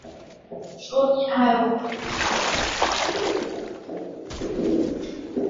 说你爱我